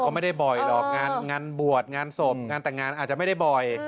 ก็ไม่ได้บ่อยหรอกงานบวชงานศพงานแต่งงานอาจจะไม่ได้บ่อย